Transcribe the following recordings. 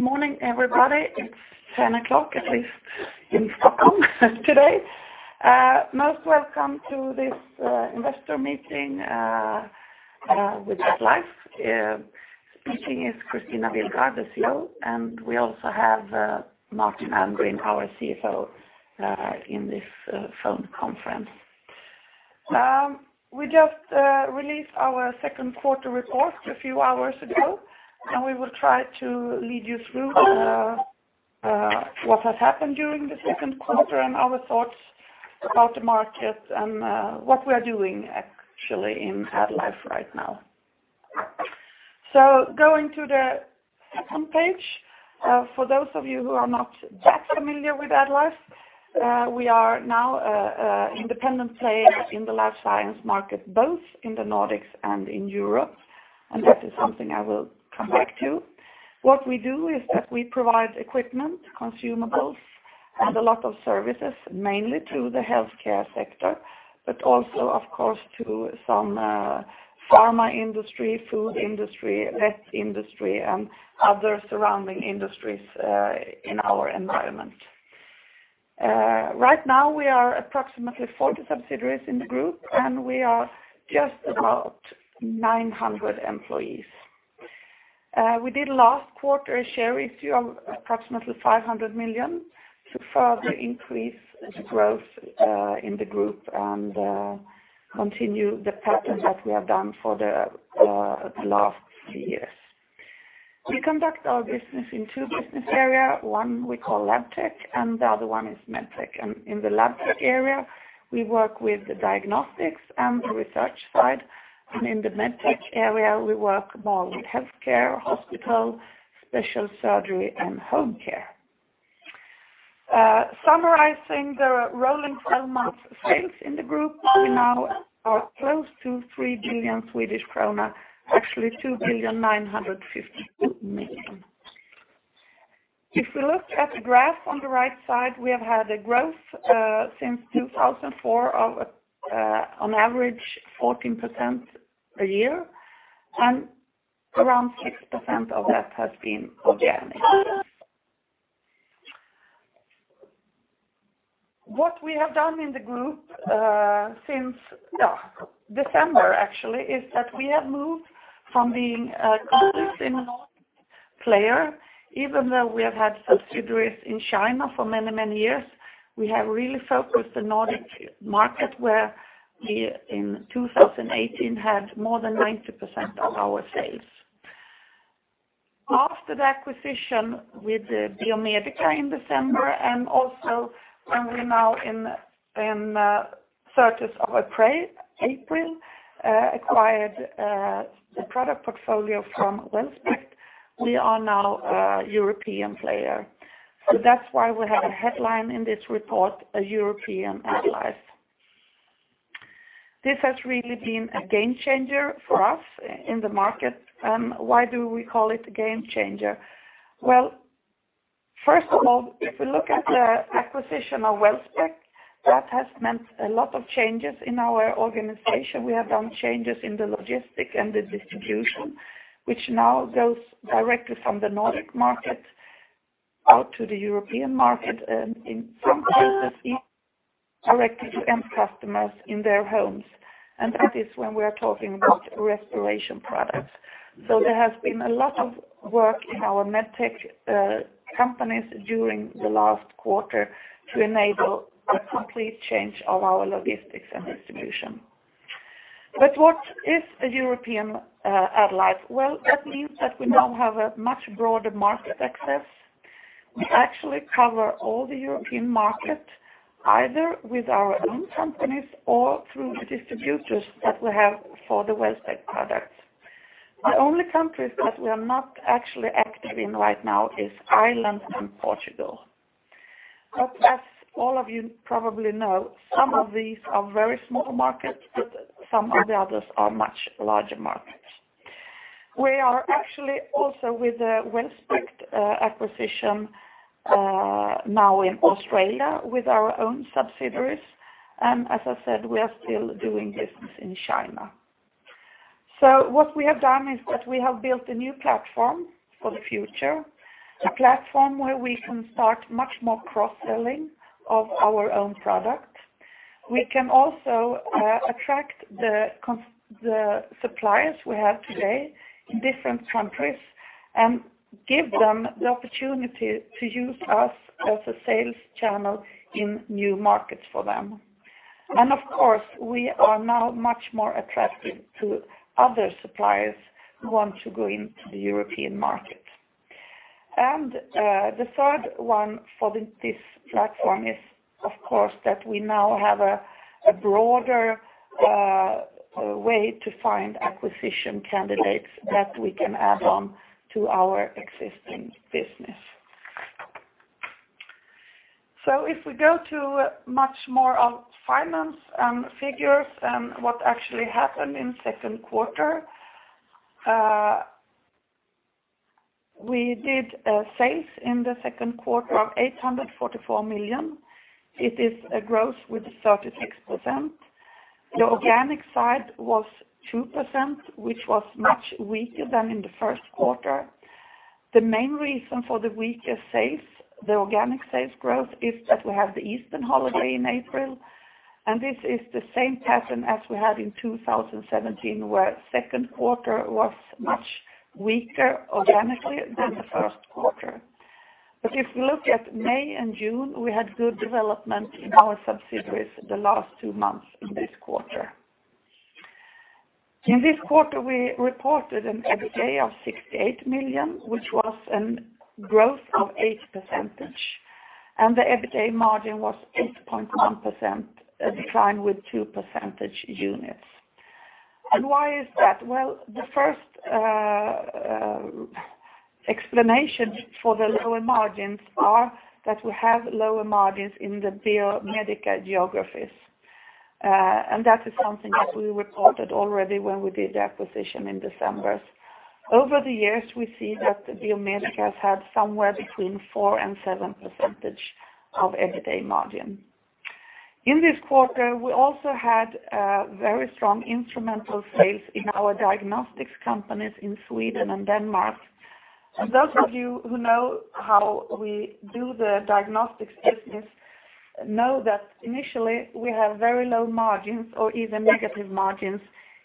Good morning, everybody. It's 10:00 A.M. o'clock, at least in Stockholm today. Most welcome to this investor meeting with AddLife. Speaking is Kristina Willgård, the CEO, and we also have Martin Almgren, our CFO, in this phone conference. We just released our second quarter report a few hours ago, we will try to lead you through what has happened during the second quarter and our thoughts about the market and what we are doing actually in AddLife right now. Going to the second page, for those of you who are not that familiar with AddLife, we are now an independent player in the life science market, both in the Nordics and in Europe, that is something I will come back to. What we do is that we provide equipment, consumables, and a lot of services, mainly to the healthcare sector, also, of course, to some pharma industry, food industry, vet industry, and other surrounding industries in our environment. Right now, we are approximately 40 subsidiaries in the group, we are just about 900 employees. We did last quarter a share issue of approximately 500 million to further increase the growth in the group and continue the pattern that we have done for the last few years. We conduct our business in two business areas. One we call Labtech, the other one is Medtech. In the Labtech area, we work with the diagnostics and the research side. In the Medtech area, we work more with healthcare, hospital, special surgery, and home care. Summarizing the rolling 12 months sales in the group, we now are close to 3 billion Swedish krona, actually 2,952,000,000. If we look at the graph on the right side, we have had a growth since 2004 of on average 14% a year, around 6% of that has been organic. What we have done in the group since December, actually, is that we have moved from being a complete Nordic player, even though we have had subsidiaries in China for many years, we have really focused the Nordic market, where we in 2018 had more than 90% of our sales. After the acquisition with the Biomedica in December, also when we now in 30th of April, acquired the product portfolio from Wellspect, we are now a European player. That's why we have a headline in this report, a European AddLife. This has really been a game-changer for us in the market. Why do we call it a game-changer? Well, first of all, if we look at the acquisition of Wellspect, that has meant a lot of changes in our organization. We have done changes in the logistic and the distribution, which now goes directly from the Nordic market out to the European market and in some cases, directly to end customers in their homes. That is when we are talking about respiratory medicine. There has been a lot of work in our Medtech companies during the last quarter to enable a complete change of our logistics and distribution. What is a European AddLife? Well, that means that we now have a much broader market access. We actually cover all the European market, either with our own companies or through the distributors that we have for the Wellspect products. The only countries that we are not actually active in right now is Ireland and Portugal. As all of you probably know, some of these are very small markets, but some of the others are much larger markets. We are actually also with the Wellspect acquisition now in Australia with our own subsidiaries, and as I said, we are still doing business in China. What we have done is that we have built a new platform for the future, a platform where we can start much more cross-selling of our own products. We can also attract the suppliers we have today in different countries and give them the opportunity to use us as a sales channel in new markets for them. Of course, we are now much more attractive to other suppliers who want to go into the European market. The third one for this platform is, of course, that we now have a broader way to find acquisition candidates that we can add on to our existing business. If we go to much more of finance figures and what actually happened in second quarter. We did sales in the second quarter of 844 million. It is a growth with 36%. The organic side was 2%, which was much weaker than in the first quarter. The main reason for the weaker organic sales growth is that we have the Easter holiday in April, and this is the same pattern as we had in 2017, where second quarter was much weaker organically than the first quarter. If we look at May and June, we had good development in our subsidiaries the last two months in this quarter. In this quarter, we reported an EBITDA of 68 million, which was a growth of eight percentage, and the EBITDA margin was 8.1%, a decline with two percentage units. Why is that? The first explanation for the lower margins are that we have lower margins in the Biomedica geographies. That is something that we reported already when we did the acquisition in December. Over the years, we see that Biomedica has had somewhere between four and seven percentage of EBITDA margin. In this quarter, we also had very strong instrumental sales in our diagnostics companies in Sweden and Denmark. Those of you who know how we do the diagnostics business know that initially we have very low margins or even negative margins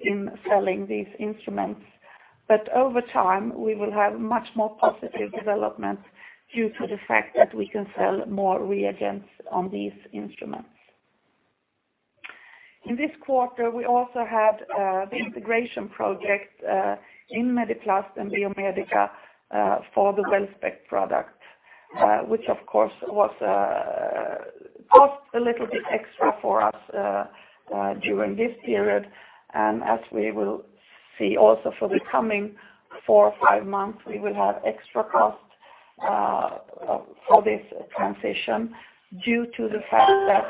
in selling these instruments. Over time, we will have much more positive development due to the fact that we can sell more reagents on these instruments. In this quarter, we also had the integration project in Mediplast and Biomedica for the Wellspect product which of course cost a little bit extra for us during this period. As we will see also for the coming four or five months, we will have extra cost for this transition due to the fact that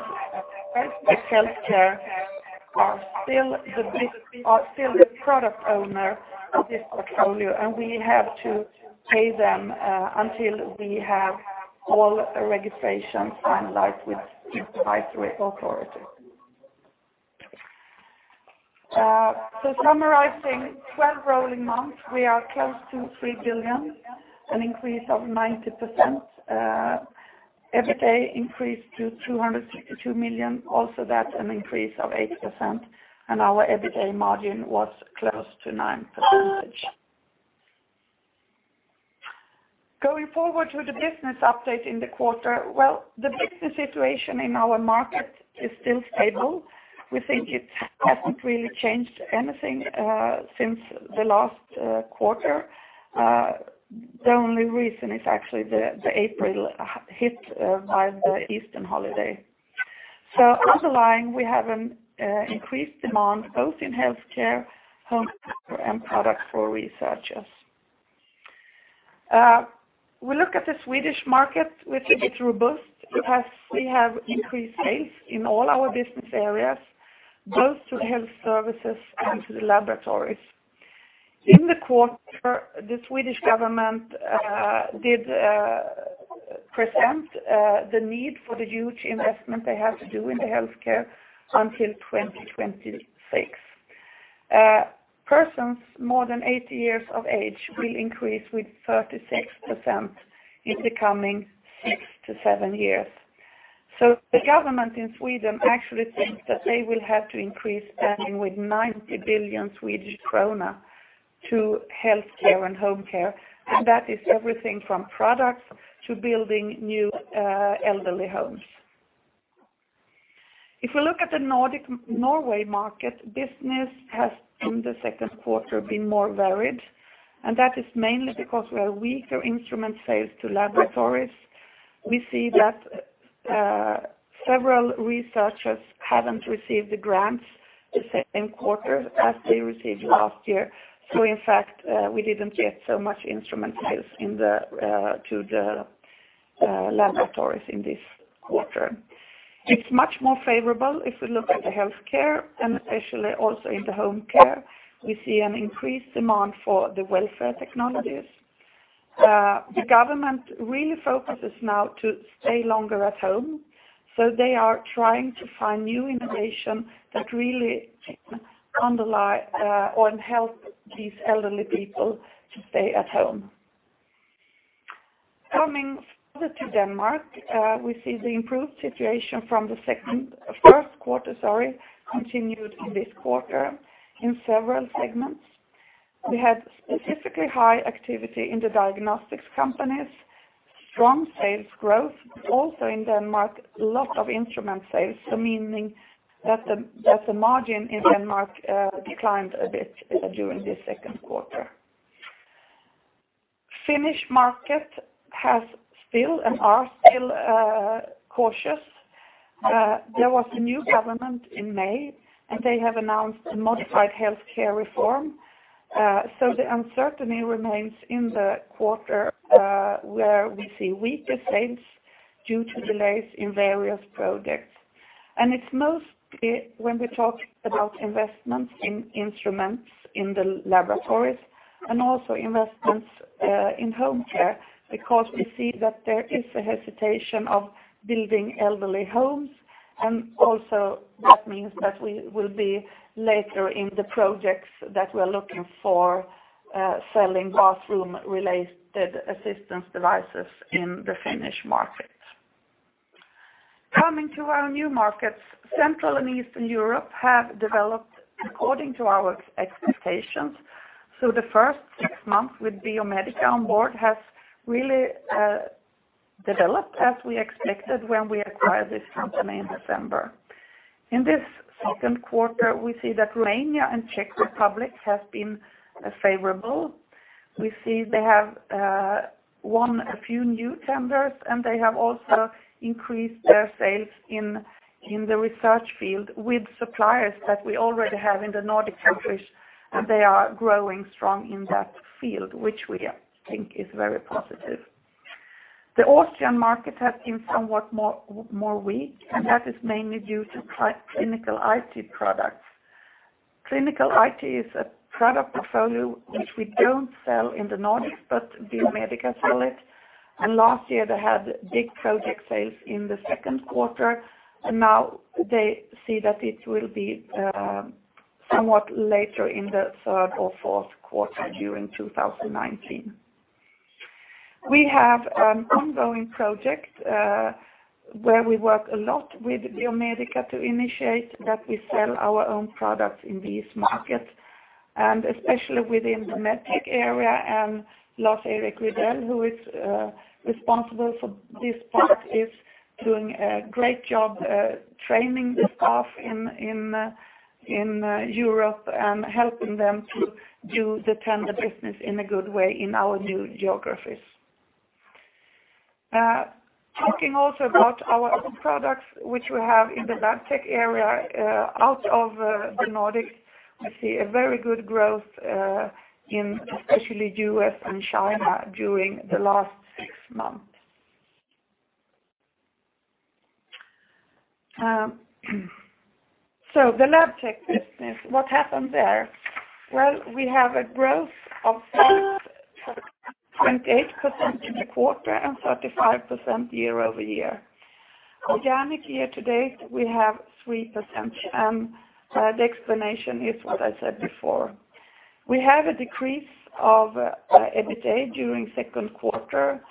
Wellspect HealthCare are still the product owner of this portfolio, and we have to pay them until we have all the registrations and like with the regulatory authority. Summarizing 12 rolling months, we are close to 3 billion, an increase of 90%. EBITDA increased to 362 million, also that's an increase of 8%, and our EBITDA margin was close to 9%. Going forward with the business update in the quarter, well, the business situation in our market is still stable. We think it hasn't really changed anything since the last quarter. The only reason is actually the April hit by the Easter holiday. Underlying, we have an increased demand both in healthcare, home care, and product for researchers. We look at the Swedish market, which is robust. We have increased sales in all our business areas, both to health services and to the laboratories. In the quarter, the Swedish government did present the need for the huge investment they have to do in the healthcare until 2026. Persons more than 80 years of age will increase with 36% in the coming six to seven years. The government in Sweden actually think that they will have to increase spending with 90 billion Swedish krona to healthcare and home care, and that is everything from products to building new elderly homes. If we look at the Nordic Norway market, business has in the second quarter been more varied, and that is mainly because we have weaker instrument sales to laboratories. We see that several researchers haven't received the grants the same quarter as they received last year. In fact, we didn't get so much instrument sales to the laboratories in this quarter. It's much more favorable if we look at the healthcare and especially also in the home care. We see an increased demand for the welfare technology. The government really focuses now to stay longer at home, they are trying to find new innovation that really underlie or help these elderly people to stay at home. Coming further to Denmark, we see the improved situation from the first quarter continued in this quarter in several segments. We had specifically high activity in the diagnostics companies, strong sales growth also in Denmark, lot of instrument sales, meaning that the margin in Denmark declined a bit during this second quarter. Finnish market has still and are still cautious. There was a new government in May, and they have announced a modified healthcare reform. The uncertainty remains in the quarter where we see weaker sales due to delays in various projects. It's mostly when we talk about investments in instruments in the laboratories. Also investments in home care, because we see that there is a hesitation of building elderly homes, and also that means that we will be later in the projects that we are looking for selling bathroom-related assistance devices in the Finnish market. Coming to our new markets, Central and Eastern Europe have developed according to our expectations. The first six months with Biomedica on board has really developed as we expected when we acquired this company in December. In this second quarter, we see that Romania and Czech Republic have been favorable. We see they have won a few new tenders, and they have also increased their sales in the research field with suppliers that we already have in the Nordic countries, and they are growing strong in that field, which we think is very positive. The Austrian market has been somewhat more weak, and that is mainly due to Clinical IT products. Clinical IT is a product portfolio which we don't sell in the Nordics, but Biomedica sell it. Last year they had big project sales in the second quarter, and now they see that it will be somewhat later in the third or fourth quarter during 2019. We have an ongoing project, where we work a lot with Biomedica to initiate that we sell our own products in these markets, and especially within the Medtech area, and Lars-Erik Rydell, who is responsible for this part, is doing a great job training the staff in Europe and helping them to do the tender business in a good way in our new geographies. Talking also about our other products which we have in the Labtech area, out of the Nordics, we see a very good growth in especially U.S. and China during the last six months. The Labtech business, what happened there? We have a growth of 28% in the quarter and 35% year-over-year. Organic year-to-date, we have 3%, and the explanation is what I said before. We have a decrease of EBITDA during second quarter,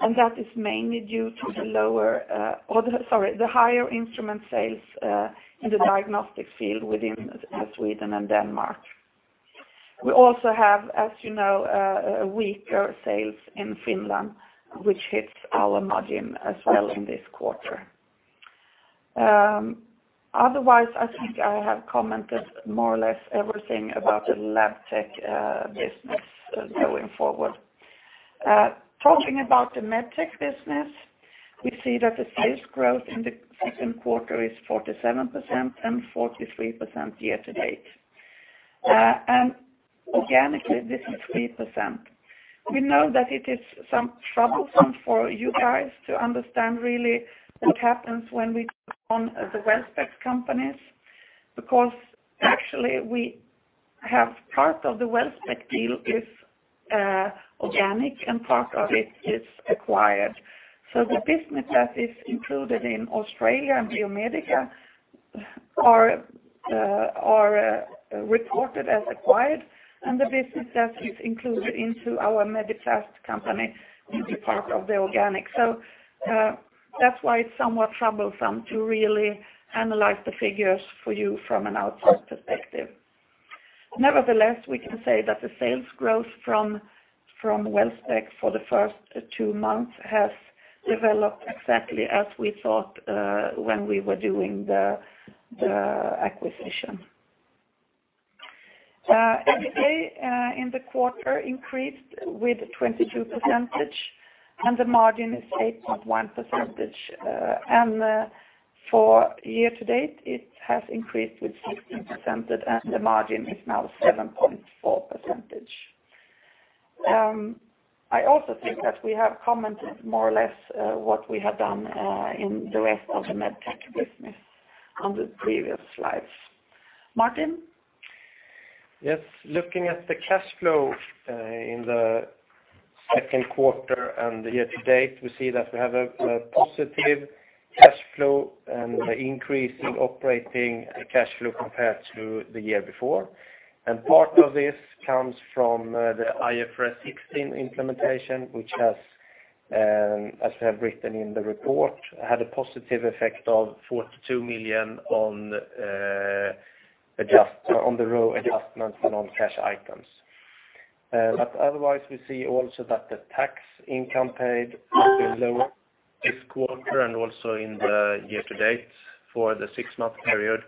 and that is mainly due to the higher instrument sales in the diagnostic field within Sweden and Denmark. We also have, as you know, weaker sales in Finland, which hits our margin as well in this quarter. Otherwise, I think I have commented more or less everything about the Labtech business going forward. Talking about the Medtech business, we see that the sales growth in the second quarter is 47% and 43% year-to-date. Organically, this is 3%. We know that it is troublesome for you guys to understand really what happens when we take on the Wellspect companies, because actually we have part of the Wellspect deal is organic and part of it is acquired. The business that is included in Australia and Biomedica are reported as acquired, and the business that is included into our Mediplast company is a part of the organic. That's why it's somewhat troublesome to really analyze the figures for you from an outside perspective. Nevertheless, we can say that the sales growth from Wellspect for the first two months has developed exactly as we thought when we were doing the acquisition. EBITDA in the quarter increased with 22% and the margin is 8.1%. For year-to-date, it has increased with 16% and the margin is now 7.4%. I also think that we have commented more or less what we have done in the rest of the Medtech business on the previous slides. Martin? Yes, looking at the cash flow in the second quarter and the year to date, we see that we have a positive cash flow and an increase in operating cash flow compared to the year before. Part of this comes from the IFRS 16 implementation, which as we have written in the report, had a positive effect of 42 million on the raw adjustments and on cash items. Otherwise, we see also that the tax income paid has been lower this quarter and also in the year to date for the six-month period.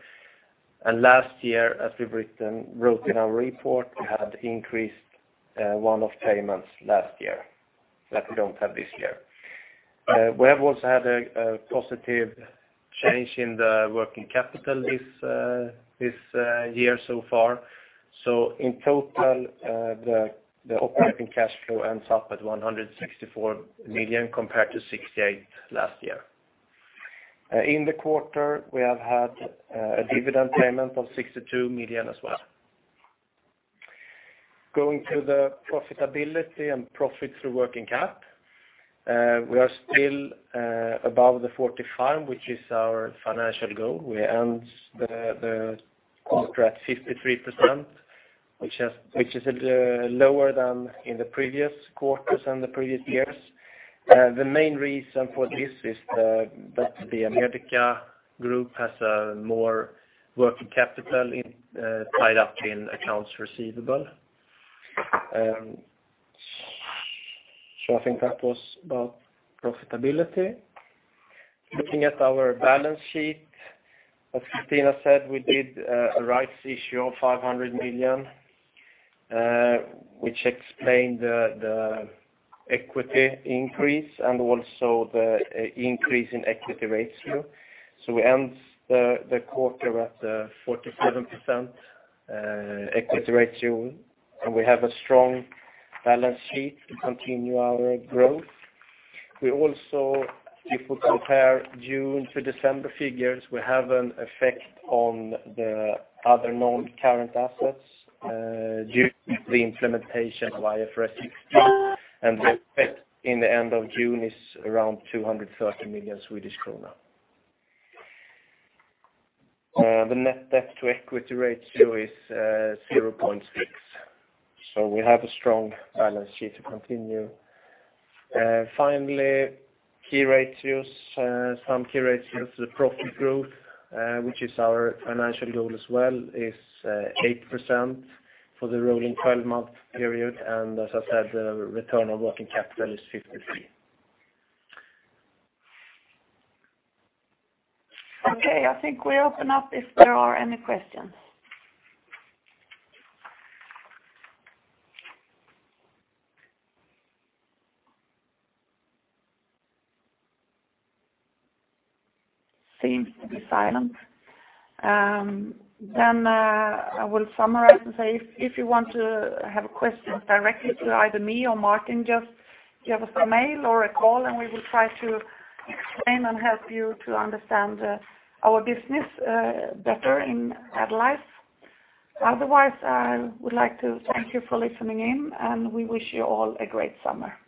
Last year, as we wrote in our report, we had increased one-off payments last year that we don't have this year. We have also had a positive change in the working capital this year so far. In total, the operating cash flow ends up at 164 million compared to 68 last year. In the quarter, we have had a dividend payment of 62 million as well. Going to the profitability and profit through working cap, we are still above the 45%, which is our financial goal. We end the quarter at 53%, which is lower than in the previous quarters and the previous years. The main reason for this is that the Biomedica Group has more working capital tied up in accounts receivable. I think that was about profitability. Looking at our balance sheet, as Tina said, we did a rights issue of 500 million which explained the equity increase and also the increase in equity ratio. We end the quarter at 47% equity ratio, and we have a strong balance sheet to continue our growth. If we compare June to December figures, we have an effect on the other non-current assets due to the implementation of IFRS 16, and the effect in the end of June is around 230 million Swedish kronor. The net debt to equity ratio is 0.6x. We have a strong balance sheet to continue. Finally, some key ratios. The profit growth, which is our financial goal as well, is 8% for the rolling 12-month period. As I said, the return on working capital is 53%. Okay. I think we open up if there are any questions. Seems to be silent. I will summarize and say if you want to have a question directly to either me or Martin, just give us a mail or a call, and we will try to explain and help you to understand our business better in AddLife. I would like to thank you for listening in, and we wish you all a great summer.